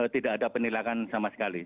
tidak ada penilakan sama sekali